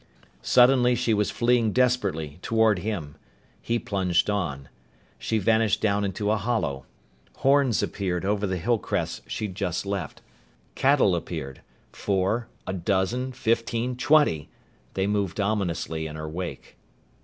Suddenly she was fleeing desperately, toward him. He plunged on. She vanished down into a hollow. Horns appeared over the hillcrest she'd just left. Cattle appeared. Four, a dozen fifteen, twenty! They moved ominously in her wake.